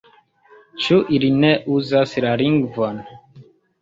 Ĉu ili ne uzas la lingvon?